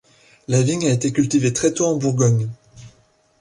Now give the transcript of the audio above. La vigne a été cultivée très tôt en Bourgogne.